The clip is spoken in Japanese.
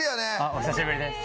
お久しぶりです。